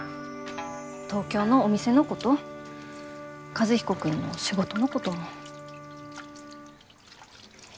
東京のお店のこと和彦君の仕事のことも。